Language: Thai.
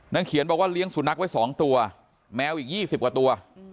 เขียนบอกว่าเลี้ยงสุนัขไว้๒ตัวแมวอีก๒๐กว่าตัว